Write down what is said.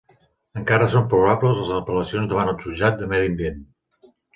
Encara són probables les apel·lacions davant del jutjat de Medi Ambient.